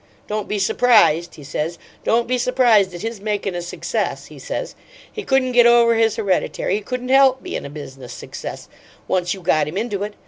Don't be surprised,' he says 'don't be surprised at his makin' a success,' he says. 'He couldn't get over his heredity; he couldn't HELP bein' a business success once you got him into it.